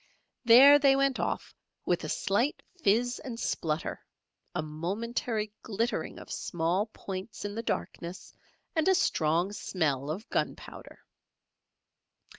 There they went off with a slight fizz and splutter, a momentary glittering of small points in the darkness and a strong smell of gunpowder.